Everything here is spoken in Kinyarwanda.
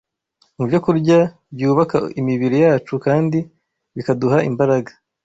mu byokurya byubaka imibiri yacu kandi bikaduha imbaraga